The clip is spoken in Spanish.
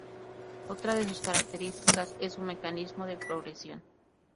Otra de sus características es su mecanismo de progresión.